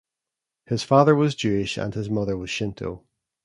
His father was Jewish and his mother was Shinto.